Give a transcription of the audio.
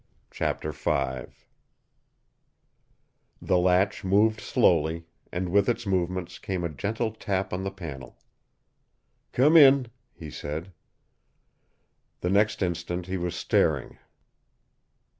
CHAPTER V The latch moved slowly, and with its movement came a gentle tap on the panel. "Come in," he said. The next instant he was staring.